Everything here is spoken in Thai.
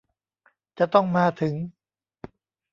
จะต้องมาถึง